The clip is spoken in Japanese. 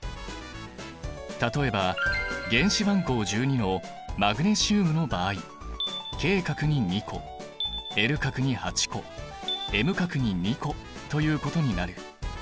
例えば原子番号１２のマグネシウムの場合Ｋ殻に２個Ｌ殻に８個Ｍ殻に２個ということになる。